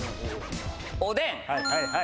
おでん。